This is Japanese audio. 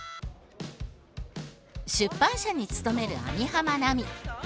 出版社に勤める網浜奈美。